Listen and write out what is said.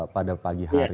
pada pagi hari